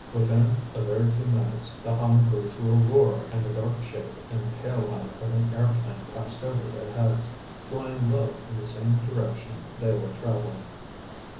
Within a very few minutes, the hum grew to a roar and the dark shape and tail light of an airplane passed above their heads, flying low in the same direction they were traveling.